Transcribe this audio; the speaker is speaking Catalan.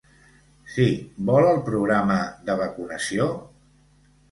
Sí, vol el programa de vacunació?